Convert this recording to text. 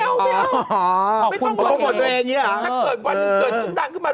ไม่เอาไม่ต้องบอกถ้าเกิดวันเกิดชุดดังขึ้นมา